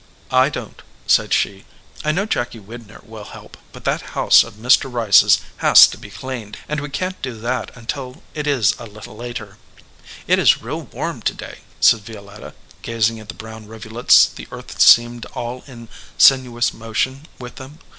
"I don t," said she. "I know Jacky Widner will help, but that house of Mr. Rice s has to be cleaned, and we can t do that until it is a little later." "It is real warm to day," said Violetta, gazing at the brown rivulets the earth seemed all in sinu ous motion with them.